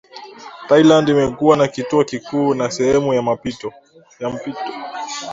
Thailand imekuwa ni kituo kikuu na sehemu ya mpito